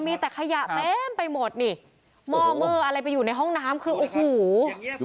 มีแต่ขยะเต็มไปหมดนี่หม้อเมอร์อะไรไปอยู่ในห้องน้ำคือโอ้โห